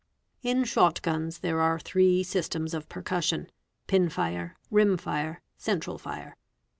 In shot guns, there are three systems of percussion, pin fire, rim fire, } central fire.